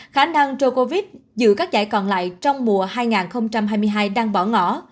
khả năng djigovic giữ các giải còn lại trong mùa hai nghìn hai mươi hai đang bỏ ngỏ